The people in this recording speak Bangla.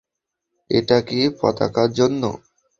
এটা কী পতাকার জন্য?